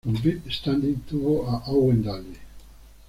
Con Viv Standish tuvo a Owen Dalby.